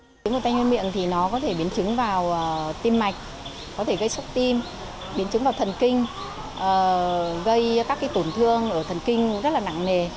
biến chứng của tay chân miệng thì nó có thể biến chứng vào tim mạch có thể gây sốc tim biến chứng vào thần kinh gây các tổn thương ở thần kinh rất là nặng nề